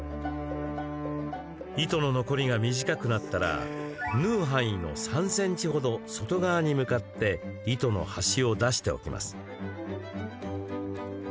糸の残りが短くなったら縫う範囲の３ｃｍ程外側に向かって糸の端を出しておきます。